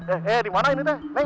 eh dimana ini teh